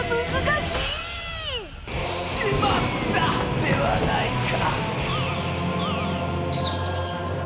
「しまった！」ではないか！